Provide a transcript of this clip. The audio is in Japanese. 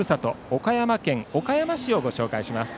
岡山県岡山市をご紹介します。